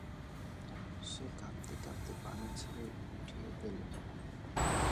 সে কাঁপতে কাঁপতে পানি ছেড়ে উঠে এল।